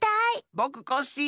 ぼくコッシー。